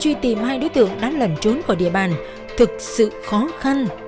chuy tìm hai đối tượng đã lần trốn khỏi địa bàn thực sự khó khăn